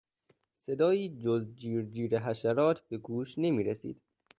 صدایی جز جیر جیر حشرات به گوش نمیرسید.